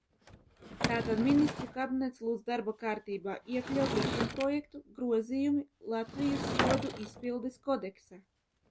"Tātad Ministru kabinets lūdz darba kārtībā iekļaut likumprojektu "Grozījumi Latvijas Sodu izpildes kodeksā"."